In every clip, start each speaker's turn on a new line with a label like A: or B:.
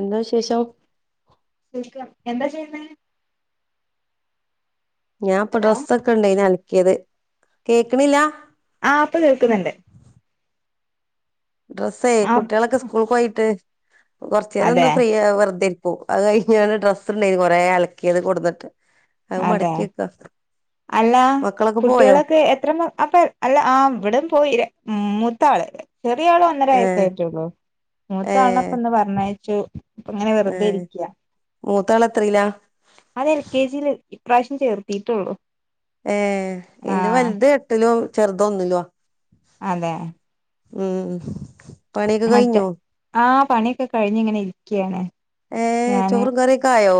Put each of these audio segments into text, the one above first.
A: എന്താ വിശേഷം
B: [unintelligible] എന്താ ചെയ്യുന്നേ
A: ഞാൻ പ്പൊ
B: ഹലോ
A: ഡ്രസ് ഒക്കെ ഇണ്ടായി നൽക്കിയത് കേക്ക്ണില്ലാ
B: ആഹ് പ്പൊ കേൾക്കുന്നുണ്ട്
A: ഡ്രസ്സേ
B: ആഹ്
A: കുട്ട്യേളൊക്കെ സ്കൂൾക്കോയിട്ട് കൊറചേരൊന്ന്
B: അതെ
A: ഫ്രീയാ വെർതെ പ്പോ അത് കയ്ഞ്ഞാണ്ട് ഡ്രസ്സ്ണ്ടയ്നി കൊറേ അൽക്യേത് കൊട്ന്ന്ട്ട
B: അതെ അല്ലാ
A: മക്കളൊക്കെ പോയോ
B: കുട്ട്യേളൊക്കെ എത്രാ മ അപ്പൊ അല്ല ആഹ് വിടെം പോയി ര ഉം മൂത്താള് ചെറിയ ആള് ഒന്നര
A: ഏഹ്
B: വയസായിട്ടൊള്ളു
A: ഏഹ്
B: മൂത്താളപ്പന്ന് പറഞ്ഞയച്ചു പ്പ ങ്ങനെ വെറുതെ
A: ഏഹ്
B: ഇരിക്ക്യ
A: മൂത്താള് എത്രയിലാ
B: അത് എൽ കെ ജില് ഇപ്രാവശ്യം ചേർത്തീട്ടൊള്ളു
A: ഏഹ് ഇൻ്റെ വൽത് എട്ടിലും ചെർത് ഒന്നിലോ
B: അതെ
A: ഉം പണ്യൊക്കെ കയ്ഞ്ഞൊ
B: ആ പണ്യൊക്കെ കഴിഞ്ഞ്ങ്ങനെ ഇരിക്യാണ്
A: ഏ ചോറും കറ്യൊക്കായൊ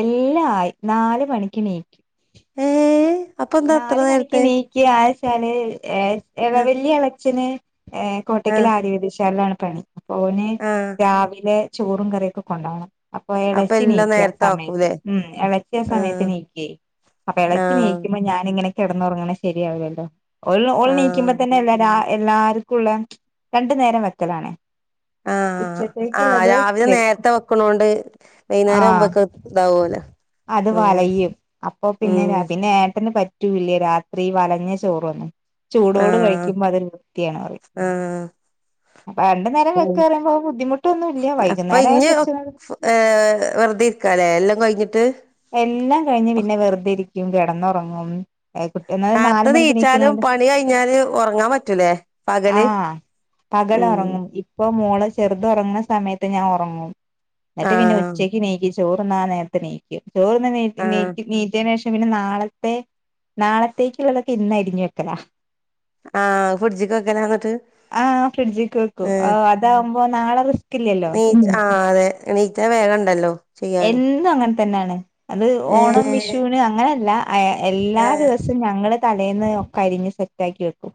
B: എല്ലാം ആയി, നാല് മണിക്ക് നീക്കും.
A: ഏഹ് അപ്പൊ എന്താ അത്ര നേരത്തെ.
B: ക്ക് ആശാല് എ എള
A: ആഹ്
B: വെല്യഎളച്ചന് ഏഹ് കോട്ടക്കൽ
A: ആഹ്
B: ആര്യ വൈദ്യശാലാണ്, പണി അപ്പൊ ഓന്
A: ആഹ്
B: രാവിലെ ചോറും, കറിയൊക്കെ, കൊണ്ടകണം. അപ്പൊ, എളച്ചി
A: എല്ലാം
B: നീക്കു, ആ
A: നേരത്തെ
B: സമയത്ത്,
A: ആക്കൂലേ
B: ഉം, എളച്ചി ആ സമയത്ത്
A: ആഹ്
B: നീകുയ്യ്, അപ്പൊ എളച്ചി നീ
A: ആഹ്
B: അപ്പ ഞാനിങ്ങനെ, കെടന്നൊറങ്ങണെ, ശരിയാവില്ലലോ, ഓൾ
A: ആഹ്
B: നീക്കുമ്പോതന്നെ, എല്ലാ രാവി എല്ലാർക്കുംള്ള, രണ്ടു നേരം, വെക്കലാണെ
A: ആഹ്, ആഹ്, രാവിലെ നേരത്തെ, വെക്കണോണ്ട്, വൈകുന്നേരം
B: ആഹ്
A: ആമ്പോക്കെ, ഇതാവലോ.
B: അത് വലയും, അപ്പൊ പിന്നെ, പിന്നെ ന് പറ്റൂല്ലേ, രാത്രി വലഞ്ഞ, ചോറൊന്നും. ചൂടോട്
A: ആഹ്
B: കഴുമ്പോ, അതൊരു വൃത്തിയാണ്, പറയും.
A: ആഹ്
B: അപ്പ രണ്ട് നേരം,
A: ഉം
B: വെക്കറയുമ്പോ, ബുദ്ധിമുട്ടൊന്നും ഇല്ല,
A: അപ്പൊ
B: വൈകുന്നേര ആയ,
A: ഇഞ്ഞ്
B: ച്
A: ഏഹ്, വെറുതെ ഇരിക്കാലേ, എല്ലാം കഴിഞ്ഞിട്ട്.
B: എല്ലാം കഴിഞ്ഞ്, പിന്നെ വെറുതെ, ഇരിക്കും, കിടന്നുറങ്ങും. ഏഹ്, കുട്ടി എന്ന നാല
A: നേരത്തെ
B: മണിക്ക്,
A: നീച്ചാലും
B: നീക്കണണ്ട്
A: പണി കഴിഞ്ഞാല് ഒറങ്ങാൻ പറ്റൂലേ പകല്
B: ആഹ്.
A: ഉം
B: പകലോറങ്ങും. ഇപ്പ മോള ചെറുത ഉറങ്ങുന്ന, സമയത്ത് ഞാൻ ഉറങ്ങും, എന്നിട്ട് പിന്നെ,
A: ആഹ്
B: ഉച്ചക്ക് നീ ചോറ്ന്ന നേരത്ത് നീക്കും, ചോറ്ന്ന് നീ
A: ആഹ്
B: നീക്കി, നീറ്റിയതിന, ന് ശേഷം പിന്നെ, നാളെ ത്തെ, നാളത്തേക്കുള്ളതൊക്കെ, ഇന്നരിഞ്ഞു, വെക്കല.
A: ആഹ് ഫ്രിഡ്ജ്ക്ക് വെക്കലാ ന്നട്ട്
B: ആഹ്, ഫ്രിഡ്ജിൽക്ക് വക്കും, ആഹ്. താവ് മ്പോ നാളെ ഇല്ലല്ലോ
A: നീറ്റ്, ആഹ്, അതെ, നീറ്റ വേഗം ഉണ്ടല്ലോ.
B: എന്നും, അങ്ങനെ തന്നെണ്, അത് ഓണം
A: ഏഹ്
B: വിഷുന്, അങ്ങനല്ല, എല്ലാ
A: ഏഹ്
B: ദിവസവും ഞങ്ങള് തലേന്ന്, ഒക്കെ അരിഞ്സെറ്റക്കി, വെക്കും,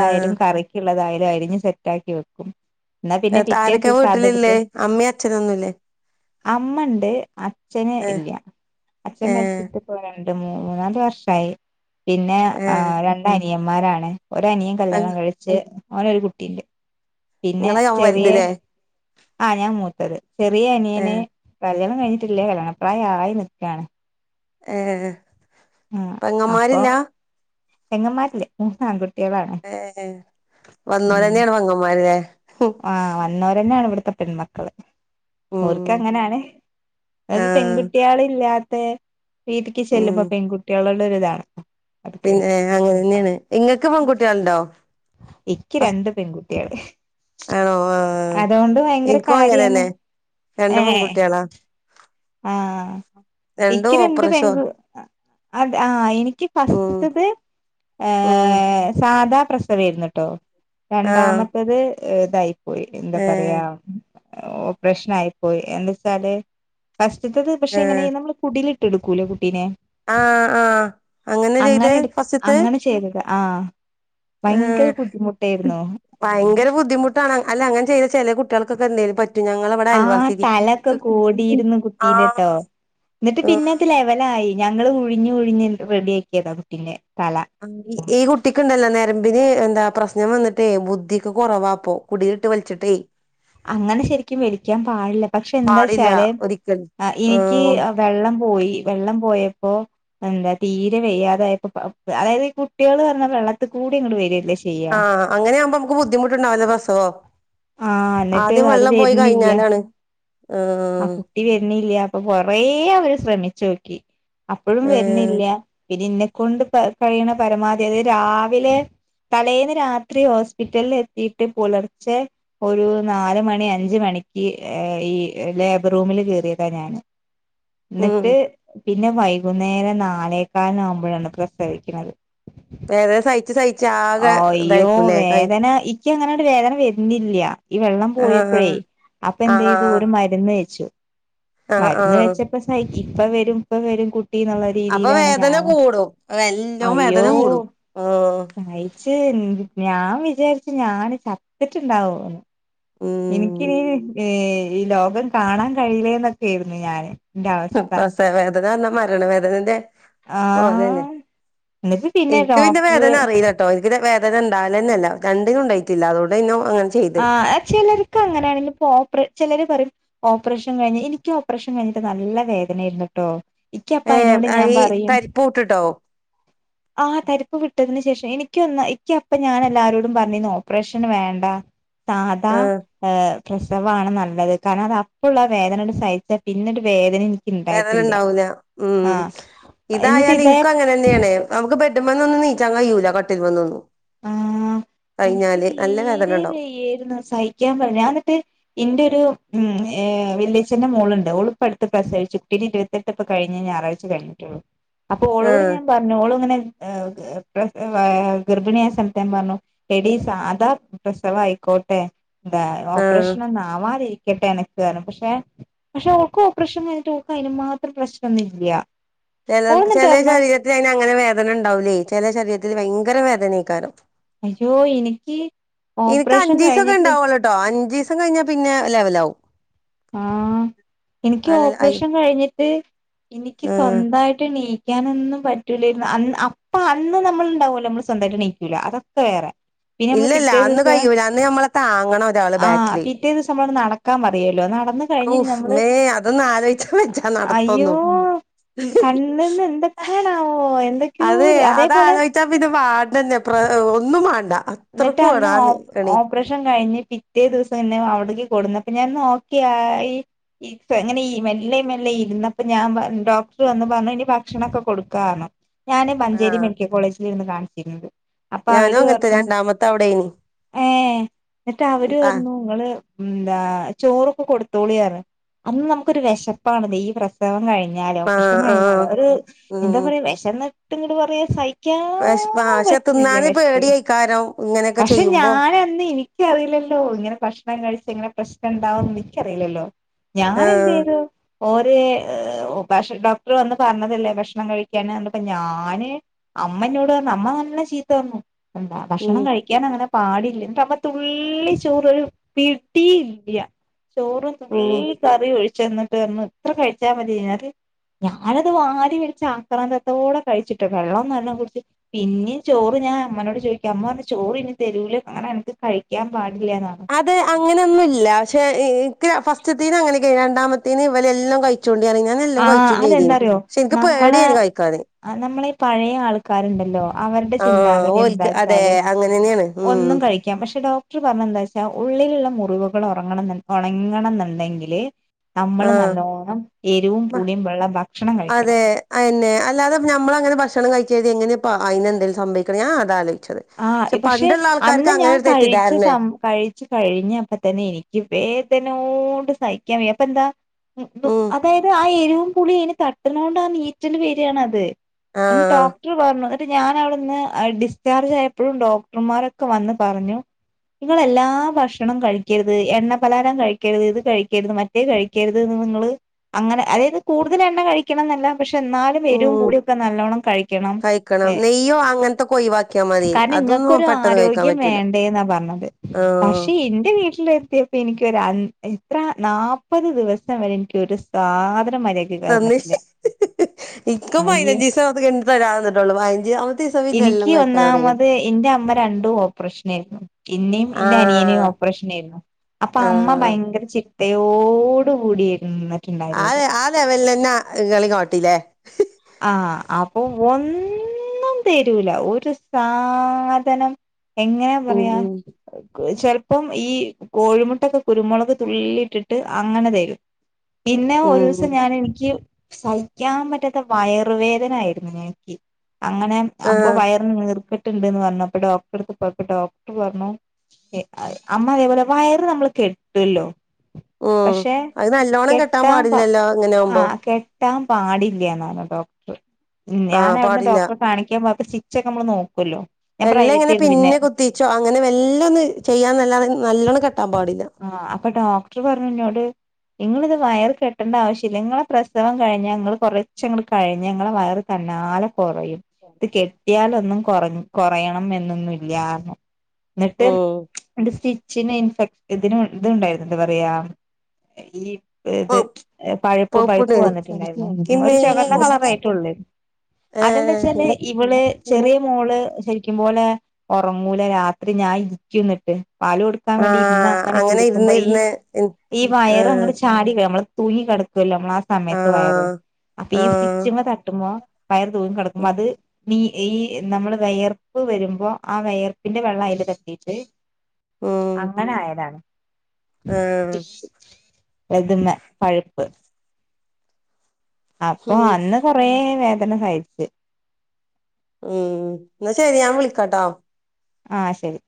A: ആഹ്
B: കറി ക്ക്ള്ളതായാലും, അരിഞ്ഞ് സെറ്റാക്കി, വെക്കും, ന്നാ പിന്നെ, പിറ്റേ ദിവസം, അതെടുത്ത്
A: അമ്മേം, അച്ഛനൊന്നുംല്ലേ.
B: അമ്മ ണ്ട്, അച്ഛന്
A: ഏഹ്
B: ഇല്ല, അച്ഛൻ
A: ഏഹ്
B: മരിച്ചിട്ട് രണ്ട് മൂന്ന് മൂന്നാല് വർഷായി, പിന്നെ
A: ഏഹ്
B: രണ്ട അനിയന്മാരാണ്, ഒരനിയൻ കല്യാണം കഴിച്ച്, ഓനോരു കുട്ടിണ്ട്, പിന്നെ,
A: നിങ്ങളെ ഞാൻ
B: ചെറിയ
A: വലുതല്ലേ
B: ആഹ്, ഞാൻ മൂത്തത്, ചെറിയ അനിയന്
A: ഏഹ്
B: കല്യാണം കഴിഞ്ഞിട്ടില്ല, കല്യാണപ്രായം, ആയി, നിക്കാണ്.
A: ഏഹ്
B: ആ അപ്പൊ
A: പെങ്ങമാരില്ലാ?
B: പെങ്ങന്മാരില്ല, മൂന്നാൺകു
A: ഏഹ്, വന്നോലന്നെയാണ്, പങ്ങന്മാര്ല്ലേ.
B: ആഹ്, വന്നോരന്നെയാണ്, ഇവിടുത്തെ, പെൺമക്കള്.
A: ഉം
B: ഓർക്കങ്ങനെയാണ്, അത്
A: ആഹ്
B: പെൺകുട്ട്യാളില്ലാത്ത വീട്ടിക്ക്,
A: ഉം
B: ചെല്ലുമ്പോ, പെൺകുട്യാളോട് ഒരിതാണ്. അതൊക്കെ
A: പിന്നെ അങ്ങനെ തന്നെയാണ്, ങ്ങൾക്ക്, പെൺകുട്ടിയൾണ്ടോ?
B: ഇക്ക് രണ്ട് പെൺകുട്ടികള്.
A: ആണോ ആഹ്
B: അതോണ്ട്, ഭയങ്കര,
A: എനിക്കും
B: കാര്യമാണ്,
A: അങ്ങനെന്നെ രണ്ട്
B: ഏഹ്.
A: പെൺകുട്ടികളാ
B: ആഹ്,
A: രണ്ടും
B: ഇക്ക് രണ്ട്,
A: ഓപ്പറേഷോ
B: പെങ്ക് അത്, ആഹ്, എനിക്ക്
A: ഉം
B: ഫസ്റ്റത്തത്,
A: ഉം
B: സാധാ, പ്രസ രുന്ന കേട്ടോ,
A: ആഹ്
B: രണ്ടാമത്തേത്, ഇതായിപ്പോയി, എന്താ
A: ഏഹ്
B: പറയാ ഓപ്രശ്നയിപ്പോയി, എന്തവച്ചാല് ഫസ്റ്റ്ത്തെത് പക്ഷെ, എങ്ങനെ
A: ഏഹ്
B: നമ്മള്, കുടിൽട്ട്ട്ക്കൂല്ലേ, കുട്ടീനെ
A: ആഹ് ആഹ്
B: അങ്ങനെ
A: ചെയ്തേ
B: എട്,
A: ഫസ്റ്റ്ത്തെ
B: അങ്ങനെ ചെയ്തത്, ആഹ്, ഭയങ്കര
A: ഏഹ്
B: ബുദ്ധിമുട്ടായിരുന്നു.
A: ഭയങ്കര ബുദ്ധിമുട്ടാണ്, അല്ല, അങ്ങന ചെയ്ത, ചില കുട്ടികൾക്കൊക്കെ, എന്തേലും ഞങ്ങളവിടെ,
B: ആഹ്
A: അയൽവാസിക്ക്
B: തലൊക്കെ കോടിയിരുന്നു
A: ആഹ്.
B: കുട്ടീന്റെട്ടോ എന്നിട്ട്
A: ആഹ്
B: പിന്നത് ലെവലായി ഞങ്ങള് ഉഴിഞ്ഞ് ഉഴിഞ്ഞ് റെഡിയാക്കിയതാ കുട്ടീന്റെ തല.
A: ഈ കുട്ടിക്കുണ്ടല്ലോ നരമ്പിന് എന്താ പ്രശ്നം വന്നിട്ടേ ബുദ്ധിക്ക് കൊറവാപ്പോ. കുടിലിട്ട് വലിച്ചിട്ടേ
B: അങ്ങനെ ശരിക്കും വലിക്കാൻ പാടില്ല പക്ഷെ
A: പാടില്ല
B: എന്താച്ചാല്
A: ഒരിക്കലും
B: എനിക്ക്
A: ആഹ്
B: വെള്ളം പോയി വെള്ളം പോയപ്പോ. എന്താ തീരെ വെയ്യാതായപ്പം അതായത് ഈ കുട്ടികൾ പറഞ്ഞാ വെള്ളത്തിൽ കൂടി ഇങ്ങട് വര്യല്ലേ ശ
A: ആഹ് അങ്ങനെയാവുമ്പോ നമുക്ക് ബുദ്ധിമുട്ടുണ്ടാവല്ലോ ബസവം
B: ആഹ് എന്നിട്ട്
A: ആദ്യം
B: അത്
A: വെള്ളം പോയി
B: വരുന്നില്ല
A: കയിഞ്ഞാലാണ് ആഹ്
B: ട്ടി വരുന്നില്ല അപ്പൊ കൊറേ അവര് ശ്രമിച്ചോക്കി അപ്പഴും
A: ഏഹ്
B: വരുന്നില്ല. പിന്നെ ഇന്നെക്കൊണ്ട് പ കഴിയണ പരമാവധി അത് രാവിലെ തലേന്ന് രാത്രി ഹോസ്പിറ്റലിൽ എത്തിയിട്ട് പുലർച്ചെ ഒരു നാല് മണി അഞ്ച് മണിക്ക് ഈ ലേബർ റൂമില് കയറിയതാ ഞാന്
A: ഉം
B: എന്നിട്ട്. പിന്നെ വൈകുന്നേരം നാലേകാലിനാവുമ്പോഴാണ് പ്രസവിക്കുന്നത്.
A: വേദന സഹിച്ച് സഹിച്ച് ആകെ ഇതായിക്കൂല്ലേ കൈ
B: എനിക്ക് അങ്ങനാണ്ട് വേദന വരുന്നില്യ. ഈ വെള്ളം
A: ആഹ്
B: പോയപ്പഴേ അപ്പൊ
A: ആഹ്
B: എന്ത് ചെയ്തു
A: ആഹ്
B: ഒരു മ രുന്ന് വെച്ചു
A: ആഹ്
B: മരുന്ന്
A: ആഹ്
B: വെച്ചപ്പോ സഹിക്ക് ഇപ്പ വരും ഇപ്പ വരും കുട്ടീന്നൊള്ള
A: അപ്പ വേദന കൂടും നല്ലോ വേദന കൂടും ഉം
B: നയിച്ച് ഞാൻ വിചാരിച്ച് ഞാന് ചത്തിട്ടുണ്ടാവോന്ന്
A: ഉം
B: എനിക്കിനീ ഈ ലോകം കാണാൻ കഴിയില്ലേന്നൊക്കൊയിരുന്നു ഞാന്. എന്റെ അവസ്ഥ
A: പ്രസവവേദന എന്നാ മരണവേദനന്റെ പോകന്നെ
B: ആഹ് എന്നിട്ട്
A: എന്ക്ക് പിന്നെ വേദന
B: ഡോക്ടർ
A: അറിയില ട്ടോ എനിക്ക് വേദന ഉണ്ടവൊല്ലന്നോല്ല രണ്ടിനും ഉണ്ടായിട്ടില്ല അതോടെ ഇന്നോ അങ്ങന
B: ആഹ് ചെലര്ക്ക് അങ്ങനെയാണെങ്കില് ഓപറേ ചെലര് പറയും ഓപ്പറേഷൻ കഴിഞ്ഞ് എനിക്ക് ഓപ്പറേഷൻ കഴിഞ്ഞിട്ട് നല്ല വേദനായിരുന്നു ട്ടോ യ്ക്ക് അപ്പ അയിനോട്
A: ഏഹ്
B: ഞാൻ
A: ഈ
B: പറയും
A: തരിപ്പൂട്ട്ട്ടോ
B: ആഹ് തരിപ്പ് വിട്ടതിന് ശേഷം എനിക്കൊന്ന് യ്ക്ക് അപ്പം ഞാൻ എല്ലാരോടും പറഞ്ഞിന്ന് ഓപ്പറേഷൻ വേണ്ട. സാദാ
A: ആഹ്
B: പ്രസവാണ് നല്ലത് കാരണം അത് അപ്പുള്ള ആ വേദന സഹിച്ചാൽ പിന്നൊരു വേദന
A: വേദന
B: ഇണ്ടായിട്ടില്ല
A: ഉണ്ടാവൂല്ല ഉം
B: ആഹ് എന്നിട്ട്
A: ഇതായാല്
B: ഇതേ
A: ഇനിക്കും അങ്ങനെ ന്നെയാണ്. നമുക്ക് ബെഡ് മ്മേന്ന് ഒന്ന് നീക്കാൻ കയിയൂല കട്ടിൽ മേന്നൊന്നും.
B: ആഹ് എനിക്ക്
A: വേദന
B: തീരേ
A: ഇണ്ടാവും
B: വയ്യായിരുന്നു സഹിക്കാൻ പറ ഞാഎന്നിട്ട്. ഇന്റെ ഒരു ഉം വല്യച്ഛന്റെ മോളുണ്ട് ഓള്പ്പ അടുത്ത് പ്രസവിച്ചു കുട്ടീന് ഇരു പത്തെട്ടിപ്പ കഴിഞ്ഞ ഞാറാഴിച കഴിഞ്ഞിട്ടേള്ളു. അപ്പൊ ഓളോട്
A: ആഹ്
B: ഞാൻ പറഞ്ഞു ഓളും ഇങ്ങനെ ഗർഭിണിയ സമയത്ത് ഞാൻ പറഞ്ഞു എടീ സാദാ പ്രസവം ആയിക്കോട്ടെ എന്താ
A: ആഹ്
B: ഓപ്പറേഷൻ [unintelligible] ഇരിക്കട്ടെന്ന് [unintelligible] പക്ഷെ പക്ഷെ ഓൾക്ക് ഓപ്പറേഷൻ കഴിഞ്ട്ട് ഓൾക്ക് അയിന് മാത്രം പ്രശ്നംന്നും ല്യ
A: ചെലൽക് ചെല ശരീരത്തിന് അതിന് അങ്ങനെ വേദന ഉണ്ടാവൂലേ ചെല ശരീരത്തിൽ ഭയങ്കര വേദനയായ്ക്കാനും
B: അയ്യോ എനിക്ക് ഓപ്പറേഷൻ കഴിഞ്ഞിട്ട്.
A: ട്ടോ അഞ്ചീസം കഴിഞ്ഞാ പിന്നെ ലെവലാവും.
B: ആഹ് എനിക്ക്
A: അത് ഐ-
B: ഓപ്പറേഷൻ കഴിഞ്ഞിട്ട് എനിക്ക്
A: ഉം.
B: സ്വന്തമായിട്ടെണി ക്കാനൊന്നും പറ്റൂലേരുന്നു അന്ന് അപ്പൊ അന്ന് നമ്മളുണ്ടാവുമല്ലോ നമ്മള് സ്വന്തമായിട്ടെണീക്കൂല അതൊക്കെ വേറെ പിന്നെ നമ്മള്
A: ഇല്ലില്ല
B: പിറ്റേ
A: അന്ന്
B: ദിവസം
A: കയ്യൂല അന്ന് ഞമ്മളെ താങ്ങണം ഒരാള്
B: ആഹ്
A: ബാക്കില്
B: പിറ്റേ ദിവസം നമ്മളൊട് നടക്കാൻ പറയല്ലോ നടന്ന് കഴിഞ്ഞ്
A: ഊഫ്
B: ഞമ്മള്
A: മേ അതൊന്നും ആലോചിച്ച വെച്ചാ
B: അയ്യോ
A: നടത്തൊന്നും
B: കണ്ണ്ന്ന് എന്തൊക്കെയാണാവോ എന്തൊക്കെയോ
A: അതെ
B: അതേപോലെ
A: [unintelligible] ഒന്നും വേണ്ട
B: എന്നിട്ട്
A: അത്രക്കും
B: അന്ന്
A: വേണം ആ നി-
B: ഓപ്
A: എണീ
B: ഓപ് ഒപ്രഷൻ കഴിഞ്ഞ് പിറ്റേ ദിവസം എന്നെ അവിടേക്ക് കൊടുന്നു അപ്പൊ ഞാനൊന്നോക്കേ ആയി ഈ പ്പ ഇങ്ങനെ ഈ മെല്ലെ മെല്ലെ ഇരുന്നപ്പം ഞാൻ പ ഡോക്ടർ വന്ന് പറഞ്ഞു ഇനി ഭക്ഷണൊക്കെ കൊടുക്കാ ർഞ്ഞു ഞാന്
A: ആ
B: മഞ്ചേരി മെഡിക്കൽ കോളേജിലേര്ന്ന് കാണിച്ചിരുന്നത്. അപ്പൊ
A: ഞാനും അങ്ങൻത്തന്നെ രണ്ടാമത്തെ അവടെനി.
B: ഏഹ് എന്നിട്ട് അവര് പർണു ഇങ്ങള് ഉംന്താ ചോറൊക്കെ കൊടുത്തോളി പർഞ്. അന്ന് നമുക്കൊരു വിശപ്പാണല്ലോ. ഈ പ്ര സവം കഴിഞ്ഞാലോ
A: ആ
B: ഓപറേഷൻ
A: ആ
B: കഴിഞ്ഞാലോ ഒരു
A: ഉം
B: എന്താ പറയാ വെശന്നിട്ട് ഇങ്ങട് പറയ സഹി
A: വെശ് ആഹ് ക്ഷേ തിന്നാന് പേടിയേകാരം.
B: പക്ഷെ ഞാനന്ന് ഇൻ ക്കറീല്ലല്ലോ ഇങ്ങനെ ഭക്ഷണം കഴിച്ചാ ഇങ്ങനെ പ്രശ്നംണ്ടാവുംന്ന് ഇക്ക്യറീല്ലല്ലോ.
A: ആ
B: ഞാനെന്തെയ്തു ഓര് ഏഹ് ഭഷ് ഡോക്ടർ വന്ന് പറഞ്ഞതല്ലേ ഭക്ഷണം കഴിക്കാൻ കണ്ടപ്പോ ഞാന് അമ്മ ഇന്നോട് പർണു. അമ്മ നല്ലം ചീത്ത പറഞ്ഞു എന്താ
A: ഉം
B: ഭക്ഷണം കഴി ക്കാൻ അങ്ങനെ പാടില്ലാ ഇന്നട്ട് അമ്മ തുള്ളി ചോറ് ഒര പിടിയില്ല്യ. ചോറും തുള്ളി
A: ഉം
B: കറിം ഒഴിച്ചന്നിട്ട് പർണു ഇത്ര കഴിച്ചാമതി [unintelligible] ഞാനത് വാരി വലിച്ച് ആക്രാന്തത്തോടെ കഴിച്ചിട്ടോ. വെള്ളും നലോണം കുടിച്ച് പിന്നിം ചോറ് ഞാൻ അമ്മനോട് ചോയി ക്ക്യ. അമ്മ പറഞ്ഞ് ചോറ് ഇനി തരൂല അങ്ങനെ അൻക്ക് കഴിക്കാൻ പാടില്ലാ എന്നർഞു.
A: അത് അങ്ങനെയൊന്നുല്ല. പക്ഷെ ഇൻക്ക് ഫസ്റ്റ്ത്തീന് അങ്ങനെ ഓക്കേനി. രണ്ടാമത്തീന് ഇവലെല്ലും കഴിച്ചോണ്ടി പർഞ്ഞിനി [unintelligible] എല്ലും
B: ആഹ്
A: കഴിച്ചും ചെയ്തീനി. പക്ഷെ ഇൻക്ക് പേട്യേനി കഴിക്കാന്.
B: ആഹ് നമ്മളെ ഈ പഴയ ആൾക്കാര്ണ്ടല്ലോ. അവര്ടെ
A: ആഹ്
B: ചിന്താഗതി
A: ഓൽക്ക് അതെ
B: എന്താച്ചാല്
A: അങ്ങനെന്നെയാണ് ഉം
B: ഒന്നും കഴി ക്ക്യാം. പക്ഷെ ഡോക്ടർ പറഞ്ഞെന്താച്ചാ ഉള്ളിലുള്ള മുറിവുകൾ ഒറങ്ങണം ഒണങ്ങണംന്നുണ്ടെങ്കില് നമ്മള്
A: ആഹ്
B: നല്ലോണ്ണം എരിവും പൂളിയും ഉള്ള ഭക്ഷണം കഴിക്കണം.
A: അതന്നെ. അല്ലാതെ പ്പം ഞമ്മളങ്ങനെ ഭക്ഷണം കഴിച്ച് കര്തി എങ്ങനെപ്പോ അയിന് എന്തെലും സംഭവിക്കണ് ഞാൻ അതാ ആലോയിച്ചത്.
B: ആഹ് ഇ പക്ഷെ അന്ന് ഞാൻ കഴിച്ച
A: തെറ്റിദ്ധാരണയാ
B: സം കഴിച്ചു കഴിഞ്ഞപ്പതന്നെ എനിക്ക് വേദനോണ്ട് സഹിക്കാൻ വയ്യ. അപ്പെന്താ ഉം നു അതായത് ആ എരിവും പുളിയും അയിന് തട്ട്ണോണ്ട് ആ നീറ്റൽ വരാണത്. എൺ
A: ആഹ്
B: ഡോക്ടർ പർഞ്ഞു ഇന്നട്ട് ഞാൻ അവിടുന്ന് ഡിസ് ചാർജ് ആയപ്പഴും ഡോക്ടർമാരൊക്കെ വന്ന് പറഞ്ഞു ഇങ്ങൾ എല്ലാ ഭക്ഷണം കഴിക്കരുത് എണ്ണ പലഹാരം കഴിക്കരുത് ഇത് കഴിക്കരുത് മ റ്റത് കഴിക്കരുത് ന്ന് നിങ്ങൾ അങ്ങനെ അതായത് കൂടുതൽ എണ്ണ കഴിക്കണം ന്നല്ല പക്ഷെ എന്നാലും വെരുവും
A: ഉം
B: പുളിയും ഒക്കെ നല്ലോണം കഴിക്കണം ഹേ
A: യ്യോ അങ്ങൻത്തൊക്കൊയിവാക്കിയാ മ
B: കാരണം ഇങ്ങക്കൊരു ആരോഗ്യം വേണ്ടേെന്നാ പറഞ്ഞത്.
A: ആഹ്
B: പക്ഷെ ഇന്റെ വീട്ടിലെത്തിയ പ്പെനിക്കൊരാ അൻ എത്ര നാപത് ദിവസം വരെ എനിക്കൊരു സാധനും മര്യാ
A: തന്ന് ഇൻക്ക്
B: അയ്യേ
A: പയ്നഞ്ചീസം അത് കഴിഞ്ഞിട്ട് തരാതെന്ന്ട്ടൊള്ളൂ. പയ്നഞ്ചാമത്തെ ദിവസം പിന്നെല്ലും
B: ക്ക്യി ഒന്നാമത് ഇന്റെ അമ്മ രണ്ടും ഓപ്പറേഷനേര്ന്നു. ഇന്നിം ഇന്റെ അനിയനിം
A: ആഹ്
B: ഓപ്പറേഷനേര്ന്നു. അപ്പൊ അമ്മ
A: ആഹ്
B: ഭയങ്കര ചി ട്ടയോട് കൂടി ര് ന്ന്.
A: ആ ആ ലെവൽലെന്നെ ഇങ്ങളിം കാട്ടി ല്ലേ.
B: ആഹ് അപ്പൊ ഒന്നും തരൂല. ഒരു സാധനം എങ്ങനാ
A: ഉം
B: പറയാ ചെൽപ്പം ഈ കോഴിമുട്ടൊക്കെ കുരുമുളക് തുള്ളിട്ടിട്ട് അങ്ങനെ തെരും. പിന്നെ
A: ഉം
B: ഒരൂസം
A: ഉം
B: ഞാൻ എനിക്ക് സഹിക്കാൻ പറ്റാ ത്ത വയറുവേദനായിരുന്നു എനിക്ക് അങ്ങനെ അപ്പൊ
A: ആഹ്
B: വയറിന് നീർക്കെ ട്ട്ണ്ട്ന്ന് പറഞ്ഞപ്പോ ഡോക്ടർടത്ത് പോയപ്പോ ഡോക്ടർ പറഞ്ഞു ഹെ അഹ് അമ്മ അതേപോലെ വയറ് നമ്മള് കെട്ട്വല്ലോ
A: ഉം
B: പക്ഷെ
A: അത് നല്ലോണം
B: കെട്ടാൻ പ
A: പാടില്ലല്ലോ ഇങ്ങനെ ആവുമ്പോ
B: ആഹ് കെ ട്ടാൻ പാടില്ല്യാന്നാ ർഞ ഡോക്ടർ. ഉം ഞാൻ
A: ആഹ്
B: അവിടുന്ന്
A: പാടില്ല
B: ഡോക്ടറെ കാണിക്കാൻ പോയപ്പം ചി ച്ചക്ക നമ്മൾ നോക്ക്വൊല്ലോ
A: വെല്ലേ ഇങ്ങനെ പിന്ന് കുത്തിച്ചോ അങ്ങനെ വെല്ലെ ഒന്ന് ചെയ്യാന്ന് അല്ലാതെ നല്ലോണം കെട്ടാം പാടില്ല.
B: ആഹ് അപ്പ ഡോ ക്ടർ പറഞ്ഞു ന്നോട് ഇങ്ങളിത് വയർ കെട്ടണ്ട ആവശ്യല്ല. ഇങ്ങളെ പ്രസവം കഴിഞ്ഞാ ഇങ്ങൾ കൊറ ച്ചങ്ങട് കഴിഞ്ഞ ഇങ്ങളെ വയറ് തന്നാലെ കൊറയും. ഇത് കെട്ട്യാലൊന്നും കൊറഞ്ഞു കൊറയണം എന്നൊന്നുല്ല്യാറ്ഞ്ഞു. ന്നിട്ട്
A: ഉം
B: ന്നട്ട് സ്റ്റിച്ചിനേ ഇൻഫെ ഇതിന് ഇത്ണ്ടായിരുന്നു എന്താ പറയാ ഈ ഈത് പഴ്പ്പ് പഴ്പ്പ് വന്നിട്ട്ണ്ടായിരുന്നു.
A: ഇമ്മേ
B: ഒരു ചോഗന്നാ കളറയിട്ടോളേന്നു അത് എന്താച്ചാൽ
A: ഏഹ്
B: ഇവൾ ചെറിയ മോൾ ള് ശരിക്കും പോലെ ഒറങ്ങൂല രാത്രി ഞാൻ ഇരിക്കും ന്നിട്ട് പാല് കൊടു ക്കാൻ വേണ്ടി
A: ആഹ്
B: ഇരുന്നങ്ങനെ
A: അങ്ങനെ
B: കൊടുക്കുമ്പോ
A: ഇരുന്ന്
B: ഈ
A: ഇരുന്ന്
B: ഈ വയറ്
A: ആഹ്
B: അങ്ങട് ചാടില്ലേ നമ്മള് തൂങ്ങി കെടക്കൊല്ലോ നമ്മൾ ആ സമയത്ത് വയറ്
A: ആഹ്
B: അപ്പൊ ഈ
A: ആഹ്
B: സ്റ്റിച്ചിമ്മെ തട്ടുമ്പോ വയർ തൂങ്ങി കെടക്കുമ്പോ അത് നീ ഈ നമ്മള് വെയർപ്പ് വരുമ്പോ ആ വെയർപ്പിന്റെ വെള്ളം അയിൽ തട്ടീട്ട്
A: ഉം
B: അങ്ങനായതാണ്.
A: ആഹ്
B: എത് മ്മെ പഴ്പ്പ് അപ്പോ
A: ഉം
B: അന്ന് കൊറേ വേദന സഹിച്ച്
A: ഉം ന്നാ ശെരി ഞാൻ വിളിക്കാട്ടോ?
B: ആഹ് ശെരി